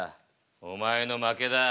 お前の負けだ。